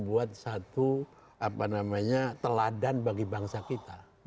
membuat satu apa namanya teladan bagi bangsa kita